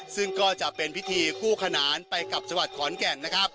ซึ่งก็จะเป็นพิธีคู่ขนานไปกับจังหวัดขอนแก่นนะครับ